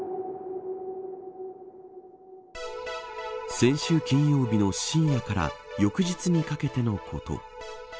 先週金曜日の深夜から翌日にかけてのこと。